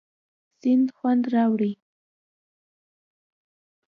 سیند خوند راوړي.